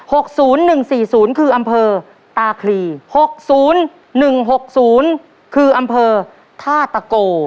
ศูนย์หนึ่งสี่ศูนย์คืออำเภอตาคลีหกศูนย์หนึ่งหกศูนย์คืออำเภอท่าตะโก